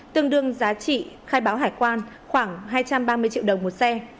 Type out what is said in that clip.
tương đương giá trị khai báo hải quan khoảng hai trăm ba mươi triệu đồng một xe